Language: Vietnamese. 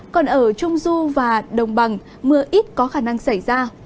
còn ở trung du và đồng bằng mưa ít có khả năng xảy ra